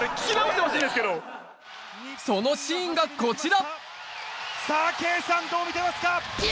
そのシーンがこちら。